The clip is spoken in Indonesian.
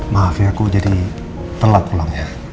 maaf ya aku jadi telat pulangnya